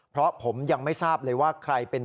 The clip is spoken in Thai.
เพราะผมยังไม่ทราบเลยว่าใครเป็น